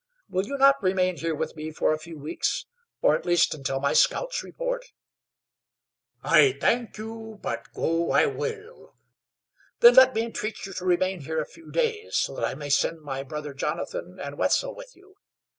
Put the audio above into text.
Will you not remain here with me for a few weeks, or, at least, until my scouts report?" "I thank you; but go I will." "Then let me entreat you to remain here a few days, so that I may send my brother Jonathan and Wetzel with you.